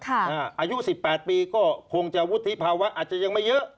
อายุ๑๘ปีก็คงจะวุฒิภาวะอาจจะยังไม่เยอะ